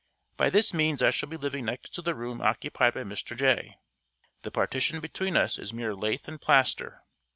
By this means I shall be living next to the room occupied by Mr. Jay. The partition between us is mere lath and plaster.